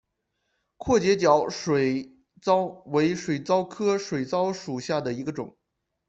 阔节角水蚤为角水蚤科角水蚤属下的一个种。